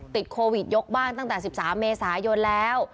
ติดโควิดยกบ้านตั้งแต่๑๓เมษายนแล้ว